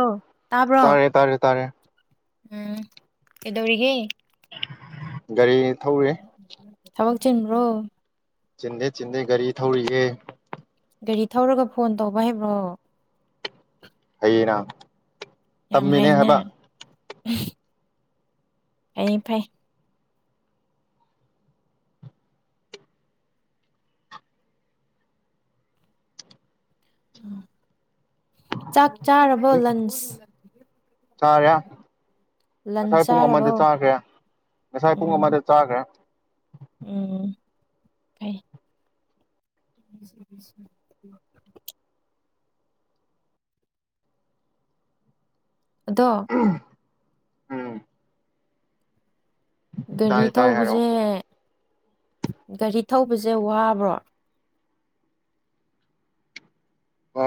ꯑꯣ ꯇꯥꯕ꯭ꯔꯣ ꯇꯥꯔꯦ ꯇꯥꯔꯦ ꯇꯥꯔꯦ ꯎꯝ ꯑꯦꯗꯧꯔꯤꯒ ꯒꯥꯔꯤ ꯊꯧꯋꯦ ꯊꯕꯛ ꯆꯤꯟꯕ꯭ꯔꯣ ꯆꯤꯟꯗꯦ ꯆꯤꯟꯗ ꯒꯥꯔꯤ ꯊꯧꯔꯤ ꯒꯥꯔꯤ ꯊꯧꯔꯒ ꯐꯣꯟ ꯇꯧꯕ ꯍꯥꯏꯕ꯭ꯔꯣ ꯑꯌꯦꯅꯥ ꯌꯥꯝ ꯍꯥꯏꯅꯦ [inaudible] ꯑꯩ ꯐꯥꯏ ꯆꯥꯛ ꯆꯥꯔꯕ ꯂꯟꯁ ꯇꯔꯦ ꯂꯟꯁ ꯉꯁꯥꯏ ꯄꯨꯡ ꯆꯥꯔꯕꯣ ꯑꯃꯗ ꯆꯥꯈ꯭ꯔꯦ ꯉꯁꯥꯏ ꯄꯨꯡ ꯎꯝ ꯑꯃꯗ ꯆꯥꯈ꯭ꯔꯦ ꯎꯝ ꯐ ꯎꯝ ꯗꯣ ꯎꯝ ꯒꯥꯔꯤ ꯇꯥꯏ ꯇꯥꯏ ꯊꯧꯕꯁꯦ ꯍꯥꯏꯔꯛꯑꯣ ꯒꯥꯔꯤ ꯊꯧꯕꯁꯦ ꯋꯥꯕ꯭ꯔꯣ ꯑ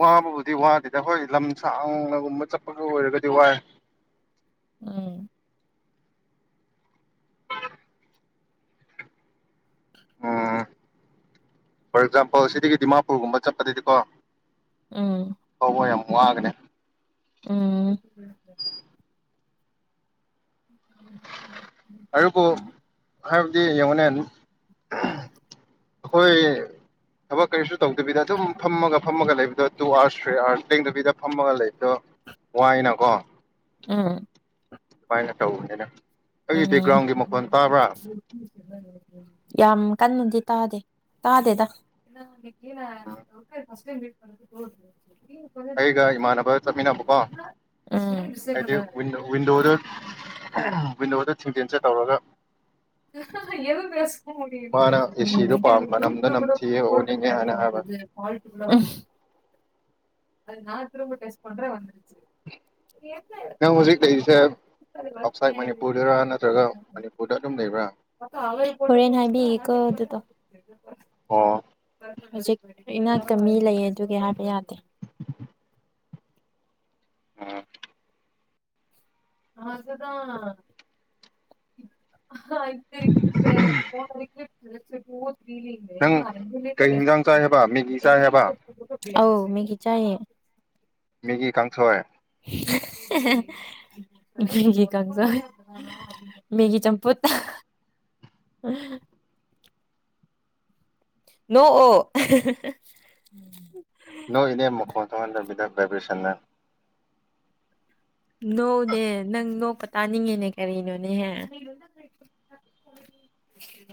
ꯋꯥꯕꯕꯨꯗꯤ ꯋꯥꯗꯦꯗ ꯑꯩꯈꯣꯏ ꯂꯝ ꯁꯥꯡꯅꯒꯨꯝꯕ ꯆꯠꯄꯒ ꯑꯣꯏꯔꯒꯗꯤ ꯋꯥꯏ ꯎꯝ ꯎꯝ ꯐꯣꯔ ꯑꯦꯛꯖꯥꯝꯄꯜ ꯁꯤꯗꯒꯤ ꯗꯤꯃꯥꯄꯨꯔꯒꯨꯝꯕ ꯆꯠꯄꯗꯗꯤꯀꯣ ꯎꯝ ꯋꯥꯒꯅꯦ ꯎꯝ ꯑꯗꯨꯕꯨ ꯍꯥꯏꯕꯗꯤ ꯌꯦꯡꯉꯣꯅꯦ ꯑꯩꯈꯣꯏ ꯊꯕꯛ ꯀꯔꯤꯁꯨ ꯇꯧꯗꯕꯤꯗ ꯑꯗꯨꯝ ꯐꯝꯃꯒ ꯐꯝꯃꯒ ꯂꯩꯕꯗꯣ ꯇꯨ ꯑꯥꯋꯥꯔꯁ ꯊ꯭ꯔꯤ ꯑꯥꯋꯥꯔꯁ ꯂꯦꯡꯗꯕꯤꯗ ꯐꯝꯃꯒ ꯂꯩꯕꯗꯣ ꯋꯥꯏꯅꯀꯣ ꯎꯝ ꯐꯥꯏꯅ ꯇꯧꯗꯅ ꯎꯝ ꯌꯥꯝ ꯀꯟꯅꯗꯤ ꯇꯥꯗꯦ ꯇꯥꯗꯦꯗ ꯎꯝ ꯑꯩꯒ ꯏꯃꯥꯟꯅꯕꯒ ꯆꯠꯃꯤꯟꯅꯕꯀꯣ ꯎꯝ ꯍꯥꯏꯗꯤꯋꯤꯟ ꯋꯤꯟꯗꯣꯗ ꯋꯤꯟꯗꯣꯗ ꯊꯤꯟꯖꯤꯤꯟꯆ ꯇꯧꯔꯒ ꯌꯦ ꯀꯁ ꯃꯥꯅ ꯭ꯔꯨꯨꯞ ꯑꯦꯁꯤꯗꯣ ꯄꯥꯝ ꯃꯅꯝꯗ ꯂ ꯅꯝꯊꯤꯌꯦ ꯑꯣꯅꯤꯡꯉꯦ ꯀꯇ ꯍꯥꯏꯅ ꯍꯥꯏꯕ ꯑꯣꯏ ꯐꯥꯜ ꯑꯗꯨꯗ ꯅꯥꯟ ꯇꯔ ꯇꯦꯁ ꯀꯣꯟ꯭ꯔꯦꯟꯦ ꯅꯪ ꯍꯧꯖꯤꯛ ꯂꯩꯔꯤꯁꯦ ꯑꯥꯎꯠꯁꯥꯏꯠ ꯃꯅꯤꯄꯨꯔꯗꯔ ꯅꯠꯇ꯭ꯔꯒ ꯃꯅꯤꯄꯨꯔꯗ ꯑꯗꯨꯝ ꯂꯩꯕ꯭ꯔꯥ ꯍꯔꯦꯅꯕꯤ ꯀ ꯑꯣꯏ ꯑꯗꯨꯗ ꯑꯣ ꯍꯧ ꯏꯩꯅ ꯀꯃꯤ ꯂꯩꯌꯦ ꯑꯗꯨꯒꯤ ꯍꯥꯏꯕ ꯌꯥꯗꯦ ꯑꯥ [unintelligible] [unintelligible] [unintelligible] ꯅꯪ ꯀꯩ ꯌꯦꯟꯖꯥꯡ ꯆꯥꯏ ꯍꯥꯏꯕ ꯃꯦꯒꯤ ꯆꯥꯏ ꯍꯥꯏꯕ [unintelligible] ꯑꯧ ꯃꯦꯒꯤ ꯆꯥꯏꯌꯦ ꯃꯦꯒꯤ ꯀꯥꯡꯁꯣꯏ [unintelligible] ꯃꯤꯒꯤ ꯀꯥꯡꯖꯣꯏ ꯃꯦꯒꯤ ꯆꯝꯄꯨꯠ ꯅꯣ ꯑꯣ ꯅꯣꯛꯏꯅꯦ ꯃꯈꯣꯟ ꯊꯣꯛꯍꯟꯗꯕꯤꯗ ꯚꯥꯏꯕ꯭ꯔꯦꯁꯟꯅ ꯅꯣꯛꯑꯣꯅꯦ ꯅꯪ ꯅꯣꯛꯄ ꯇꯥꯅꯤꯡꯉꯤꯅꯦ ꯀꯔꯤꯅꯣꯅꯦꯍꯦ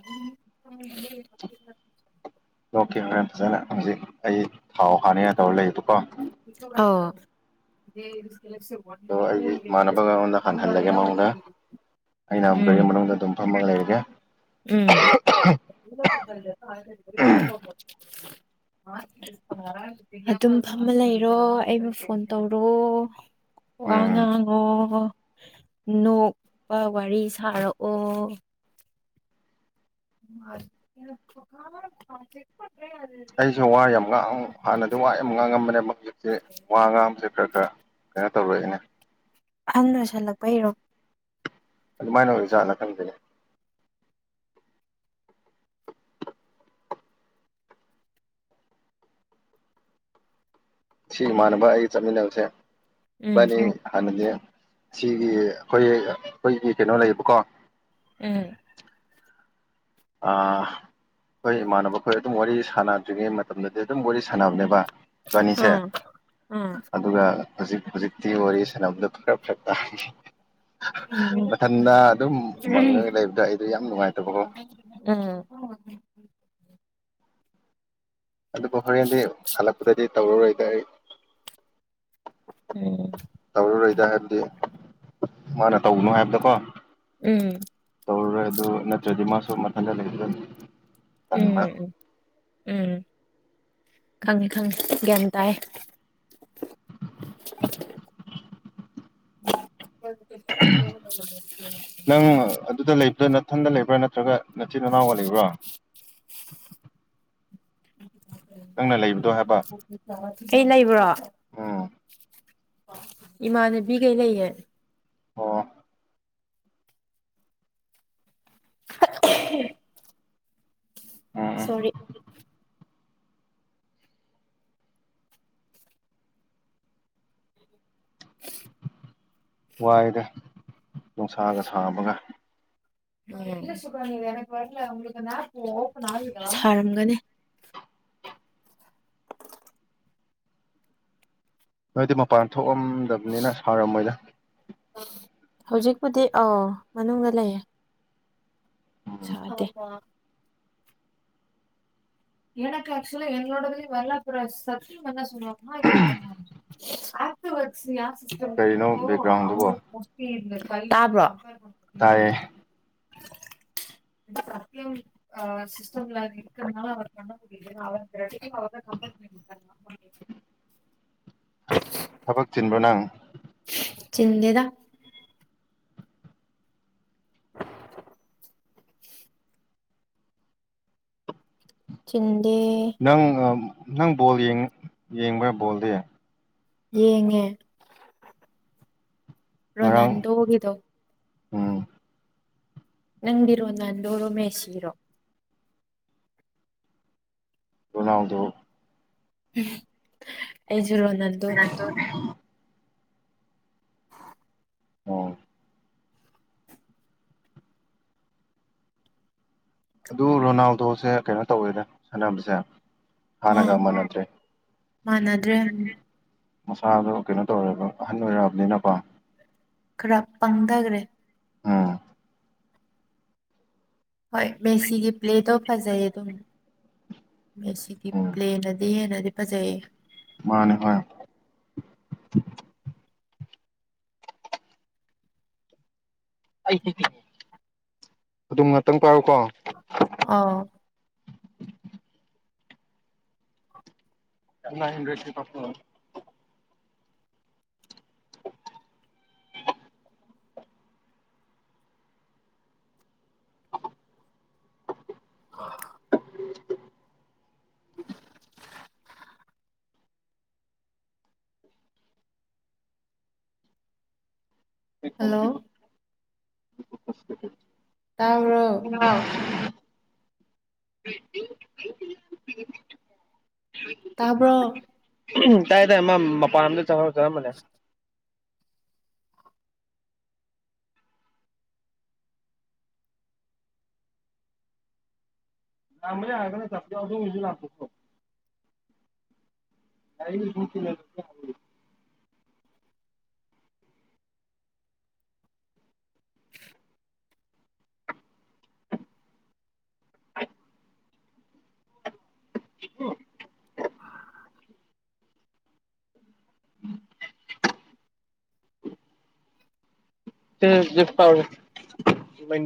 [unintelligible] ꯑꯣꯀꯦ ꯍꯣꯔꯦꯟ ꯐꯖꯅ ꯍꯧꯖꯤꯛ ꯑꯩ ꯊꯥꯎ ꯍꯥꯟꯅꯉꯥꯢ ꯇꯧꯔ ꯂꯩꯌꯦꯕꯀꯣ ꯑꯧ ꯑꯗꯣ ꯑꯩꯒꯤ ꯏꯃꯥꯟꯅꯕꯒ ꯑꯩꯉꯣꯟꯗ ꯍꯪꯍꯜꯂꯒꯦ ꯃꯉꯣꯟꯅ ꯑꯩꯅ ꯎꯝ ꯒꯔꯤꯒꯤ ꯃꯅꯨꯡꯗ ꯑꯗꯨꯝ ꯐꯝꯃꯒ ꯂꯩꯔꯒꯦ ꯎꯝ ꯑꯗꯨꯝ ꯐꯃ ꯂꯩꯔꯣ ꯑꯩꯕꯨ ꯐꯣꯟ ꯇꯧꯔꯣ ꯋꯥ ꯎꯝ ꯉꯥꯡꯉꯣ ꯅꯣꯛꯄ ꯋꯥꯔꯤ ꯁꯥꯔꯛꯑꯣ [unintelligible] ꯑꯩꯁꯨ ꯋꯥ ꯌꯥꯝ ꯉꯥꯡ ꯍꯥꯟꯅꯗꯤ ꯋꯥ ꯌꯥꯝ ꯉꯥꯡꯉꯝꯕꯅꯦꯕ ꯍꯧꯖꯤꯛꯇꯤ ꯋꯥ ꯉꯥꯡꯕꯁꯦ ꯈꯔ ꯈꯔ ꯀꯩꯅꯣ ꯇꯧꯔꯛꯑꯦꯅꯦ ꯑꯍꯟ ꯑꯣꯏꯁꯜꯂꯛꯄꯩꯔꯣ ꯑꯗꯨꯃꯥꯏꯅ ꯑꯣꯏ ꯖꯥꯠꯂꯥ ꯈꯪꯗꯦꯅꯦ ꯁꯤ ꯏꯃꯥꯟꯅꯕ ꯑꯩꯒ ꯆꯠꯃꯤꯟꯅꯕꯁꯦ ꯎꯝ ꯢꯕꯅꯤ ꯍꯥꯅꯗꯤ ꯁꯤꯒꯤ ꯑꯩꯈꯣꯏ ꯑꯩꯈꯣꯏꯒꯤ ꯀꯩꯅꯣ ꯂꯩꯌꯦꯕꯀꯣ ꯎꯝ ꯑꯥ ꯑꯩꯈꯣꯏ ꯏꯃꯥꯟꯅꯕꯈꯣꯏ ꯑꯗꯨꯝ ꯋꯥꯔꯤ ꯁꯥꯟꯅꯗ꯭ꯔꯤꯉꯩ ꯃꯇꯝꯗꯗꯤ ꯑꯗꯨꯝ ꯋꯥꯔꯤ ꯁꯥꯟꯅꯕꯅꯦꯕ ꯏꯕꯥꯅꯤꯁꯦ ꯎꯝ ꯎꯝ ꯑꯗꯨꯒ ꯍꯧꯖꯤꯛ ꯍꯧꯖꯤꯛꯇꯤ ꯋꯥꯔꯤ ꯁꯥꯟꯅꯕꯗ ꯈꯥꯔ ꯐ꯭ꯔꯥꯛ ꯇꯥꯔꯅꯤ ꯎꯝ ꯎꯝ ꯎꯝ ꯃꯊꯟꯗ ꯑꯗꯨꯝ ꯃꯪꯉꯒ ꯂꯩꯕꯗꯣ ꯑꯩꯗꯣ ꯌꯥꯝ ꯅꯨꯡꯉꯥꯏꯇꯕ ꯀꯣ ꯎꯝ ꯑꯗꯨꯕꯨ ꯍꯣꯔꯦꯟꯗꯤ ꯍꯜꯂꯛꯄꯗꯗꯤ ꯇꯧꯔꯔꯣꯏꯗ ꯑꯩ ꯇꯧꯔꯔꯣꯏꯗ ꯍꯥꯏꯕꯗꯤ ꯃꯥꯅ ꯇꯧꯅꯣ ꯍꯥꯏꯕꯗꯀꯣ ꯎꯝ ꯇꯧꯔꯔꯣꯢ ꯑꯗꯨ ꯅꯠꯇ꯭ꯔꯗꯤ ꯃꯥꯁꯨ ꯃꯊꯟꯇ ꯂꯩꯕꯗꯨ ꯑꯦꯝ ꯎꯝ ꯈꯪꯉꯤ ꯈꯪꯉꯤ ꯒ꯭ꯌꯥꯟ ꯇꯥꯏ ꯑ [unintelligible] [unintelligible] ꯃꯊꯟꯗ ꯂꯩꯕ꯭ꯔꯥ ꯅꯠꯇ꯭ꯔꯒ ꯅꯆꯤꯟꯅꯥ ꯋꯥ ꯂꯩꯕ꯭ꯔꯥ ꯅꯪꯅ ꯂꯩꯕꯗꯣ ꯍꯥꯏꯕ ꯀ ꯂꯩꯕ꯭ꯔꯣ ꯎꯝ ꯏꯃꯥꯟꯅꯕꯤ ꯀꯩ ꯂꯩꯒꯦ ꯑꯣ [unintelligible] ꯎꯝ ꯎꯝ ꯁꯣꯔꯤ ꯋꯥꯏꯗ ꯅꯨꯡꯁꯥꯒ ꯁꯥꯕꯒ ꯏ ꯁꯨꯔꯅꯤꯔꯂ ꯎ ꯉꯅꯥ ꯄꯎꯔꯒꯅꯤꯦ ꯅꯣꯏꯗꯤ ꯃꯄꯥꯟ ꯊꯣꯛꯑꯝ ꯉꯝꯗꯕꯅꯤꯅ ꯁꯥꯥꯎꯔꯝꯃꯣꯏꯗ ꯍꯧꯖꯤꯛꯄꯨꯗꯤ ꯑꯥꯎ ꯃꯅꯨꯡꯗ ꯂꯩꯌꯦ ꯎꯝ ꯁꯥꯗꯦ ꯌꯦ ꯑꯛꯆꯨꯂ ꯌꯥꯝꯅꯣꯗꯤꯦꯔꯂ ꯄꯨꯔ ꯁꯠꯇꯟꯅ ꯁ ꯑ ꯑꯇꯕꯁꯤ ꯌꯥ ꯀꯔꯤꯅꯣ ꯣ ꯕꯦꯛꯒ꯭ꯔꯥꯎꯟꯗꯨꯕꯣ ꯄꯨꯇꯤ [inaudible] ꯇꯥꯕ꯭ꯔꯣ ꯑꯣꯦ ꯇꯥꯏꯌꯦ ꯁꯝ ꯑ ꯁꯤꯁꯇꯝꯂ ꯏꯅ ꯄ ꯃꯗ ꯀꯝꯜꯔ ꯊꯕꯛ ꯆꯤꯟꯕꯣ ꯅꯪ ꯆꯤꯟꯅꯦꯗ [unintelligible] ꯆꯤꯟ ꯅꯪ ꯅꯪ ꯕꯣꯜꯡ ꯌꯦꯡꯕ꯭ꯔꯥ ꯕꯣꯜꯗꯤ ꯌꯦꯉ ꯔꯣ ꯅꯟ ꯍꯒꯗꯣ ꯑꯥ ꯅꯪꯤꯔꯣ ꯅꯟꯔ ꯃꯁꯤꯔꯣ ꯇꯣꯅꯎꯗꯣ ꯑꯩ ꯖꯔꯣ ꯅꯟꯗꯣꯅꯤ ꯑꯣ ꯑꯗꯨ ꯔꯣꯅꯥꯜꯗꯣꯁꯦ ꯀꯩꯅꯣ ꯇꯧꯋꯦꯗ ꯁꯥꯟꯅꯕꯁꯦ ꯍꯥꯟꯅꯒ ꯑ ꯃꯥꯟꯅꯗ꯭ꯔꯦ ꯃꯥꯟꯅꯗ꯭ꯔꯦ ꯃꯁꯥꯗꯣ ꯀꯩꯅꯣ ꯇꯧꯔꯦꯕ ꯑꯍꯟ ꯑꯣꯏꯔꯛꯑꯔꯕꯅꯤꯅꯀꯣ ꯈꯔ ꯄꯪꯊꯈꯔꯦ ꯎꯝ ꯍꯣꯏ ꯃꯦꯁꯤꯒꯤ ꯄ꯭ꯂꯦꯗꯣ ꯐꯖꯩ ꯑꯗꯨꯝ ꯃꯦꯁꯤꯒꯤ ꯎꯝ ꯄ꯭ꯂꯦꯅꯗꯤ ꯍꯦꯟꯅꯗꯤ ꯐꯖꯩꯌꯦ ꯃꯥꯅꯦ ꯃꯅꯦ ꯑꯗꯨꯝ ꯉꯥꯛꯇꯪ ꯄꯥꯎ ꯑꯥ ꯅꯥꯏꯟ ꯍꯨꯟꯗꯔ꯭ꯦꯗ ꯇꯣ ꯀꯞꯄꯣ ꯍ ꯑꯩ ꯀꯂ ꯍꯜꯂꯣ ꯐꯁ ꯇꯥꯕ꯭ꯔꯣ [unintelligible] [unintelligible] ꯇꯥꯕ꯭ꯔꯣ ꯎꯝ ꯇꯥꯏ ꯇꯥꯏ ꯃꯥ ꯃꯄꯥꯟ ꯑꯃꯗ ꯆꯪꯍꯧ ꯆꯔꯝꯕꯅꯦ ꯂꯝꯕꯅꯦ ꯍꯥꯏꯒ ꯆ ꯑꯗꯨ ꯃꯤꯖꯤ ꯂꯥꯛꯣ ꯀ [unintelligible] ꯎ [unintelligible] ꯦ ꯇꯔ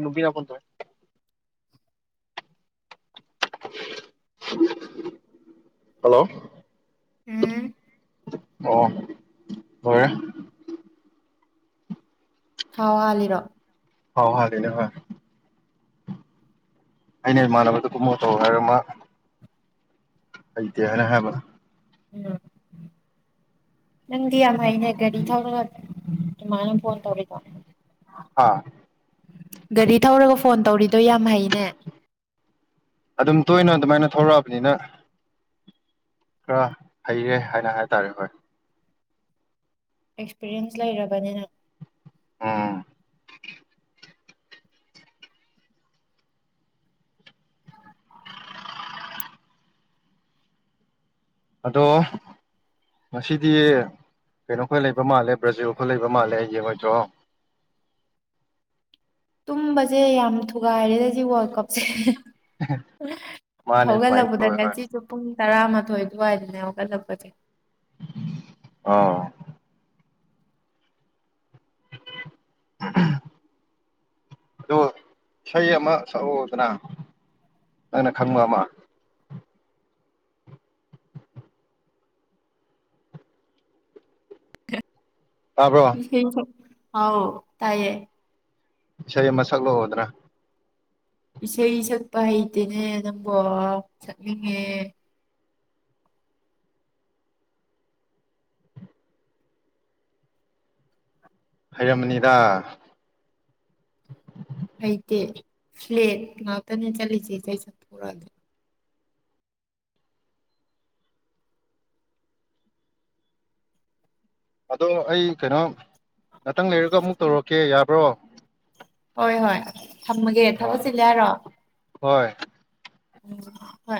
ꯅꯨꯕꯤꯅ ꯇꯧꯦ ꯍꯜꯂꯣ ꯎꯝ ꯑꯣ ꯍꯣꯏ ꯊꯥꯎ ꯍꯥꯥꯜꯂꯤꯔꯣ ꯍꯥꯎ ꯍꯣꯏ ꯑꯗꯨꯅꯦ ꯍꯣꯏ ꯑꯩꯅ ꯏꯃꯥꯟꯅꯕꯗ ꯀꯨꯝꯃꯣ ꯇꯧ ꯍꯥꯏꯔ ꯑꯃ ꯍꯩꯇꯦ ꯍꯥꯏꯅ ꯍꯥꯏꯕ ꯅꯪꯗꯤ ꯌꯥꯝ ꯍꯥꯏꯅꯦ ꯍꯥꯏꯒꯔꯤ ꯊꯧ ꯎꯝ ꯃꯅꯂꯦꯝ ꯐꯟ ꯇꯧꯔꯤꯀ ꯍꯥ ꯒꯥꯔꯤ ꯊꯧꯔꯒ ꯐꯣꯟ ꯇꯧꯔꯤꯗꯣ ꯌꯥꯝ ꯍꯩꯅꯦ ꯑꯗꯨꯝ ꯇꯣꯏꯅ ꯑꯗꯨꯃꯥꯏꯅ ꯊꯧꯔꯛꯑꯕꯅꯤꯅ ꯈꯔ ꯍꯩꯔꯦ ꯍꯥꯏꯅ ꯍꯥꯏ ꯇꯔꯦ ꯍꯣꯏ ꯑꯦꯛꯁꯄꯤꯔꯤꯌꯦꯟꯁ ꯂꯩꯔꯕꯅꯤꯅ ꯎꯝ ꯑꯗꯣ ꯉꯁꯤꯗꯤ ꯀꯩꯅꯣ ꯈ ꯂꯩꯕ ꯃꯥꯜꯂꯦ ꯕ꯭ꯔꯖꯦꯜꯜꯣ ꯂꯩꯕ ꯃꯥꯜꯂꯦ ꯍꯥꯏꯁꯦꯣꯏ ꯆ ꯇꯨꯝꯕꯁꯦ ꯌꯥꯝ ꯊꯨꯒꯥꯏꯔꯦꯗ ꯁꯤ ꯋꯥꯔꯜ ꯀꯞꯁꯦ ꯃꯥꯅꯦ ꯑꯗꯨꯃꯥꯏꯅ ꯍꯧꯒꯜꯂꯛꯄꯗ ꯇꯧꯋꯦ ꯍꯣꯏ ꯉꯁꯤꯁꯨ ꯄꯨꯡ ꯇꯥ ꯑꯃ ꯊꯣꯛꯣꯏ ꯋꯥꯏꯅꯦ ꯑ ꯀꯂꯛꯄ ꯑ ꯑ ꯏꯁꯩ ꯑꯃ ꯁꯛꯎꯗꯅ ꯅꯪꯅ ꯈꯪꯕ ꯑꯃ ꯇꯥꯕ꯭ꯔꯣ ꯍ [unintelligible] ꯍꯥꯎ ꯇꯥꯏꯌꯦ ꯏꯁꯩ ꯑꯃ ꯁꯛꯂꯛꯑꯣꯗꯅ ꯏꯁꯩ ꯁꯛꯄ ꯍꯩꯇꯦꯅꯦ ꯅꯪꯕꯨ ꯁꯛꯅꯤꯡꯉꯦ ꯍꯩꯔꯝꯃꯅꯤꯗ ꯍꯩꯇꯦ ꯐ꯭ꯂꯦꯠ ꯉꯥꯛꯇꯅꯦ ꯆꯠꯂꯤꯁꯦ ꯏꯁꯩ ꯆꯊꯣꯔꯛꯑꯗꯅ ꯑꯗꯣ ꯑꯩ ꯀꯩꯅꯣ ꯉꯥꯛꯇꯪ ꯂꯩꯔꯒ ꯑꯃꯨꯛ ꯇꯧꯔꯛꯀꯦ ꯌꯥꯕ꯭ꯔꯣ ꯍꯣꯏ ꯍꯣꯏ ꯊꯝꯃꯒꯦ ꯑꯣ ꯊꯕꯛ ꯆꯜꯂꯦꯔꯣ ꯍꯣꯏ ꯎ ꯍꯣꯏ